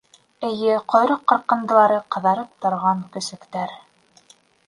Эйе, ҡойроҡ ҡырҡындылары ҡыҙарып торған көсөктәр...